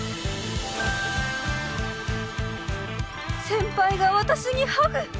先輩が私にハグ！